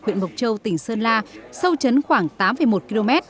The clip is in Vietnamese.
huyện mộc châu tỉnh sơn la sâu chấn khoảng tám một km